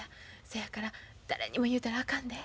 そやから誰にも言うたらあかんで。